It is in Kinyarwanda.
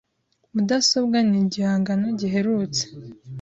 Mudasobwa ni igihangano giherutse .